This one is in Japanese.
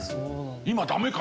今ダメか。